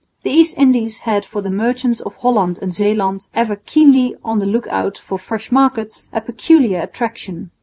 The East Indies had for the merchants of Holland and Zeeland, ever keenly on the look out for fresh markets, a peculiar attraction.